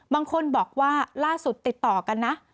บางคนบอกว่าล่าสุดติดต่อกันนะ